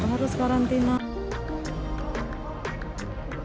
sampai sini negatif lagi